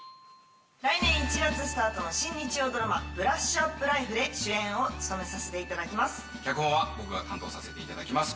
来年１月スタートの新日曜ドラマ『ブラッシュアップライフ』で主演を務めさせていただきます。